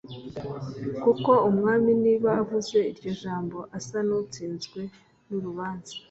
Kuko umwami niba avuze iryo jambo asa n’utsinzwe n’urubanza